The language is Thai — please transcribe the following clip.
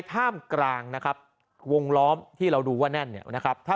ท่ามกลางนะครับวงล้อมที่เราดูว่าแน่นเนี่ยนะครับ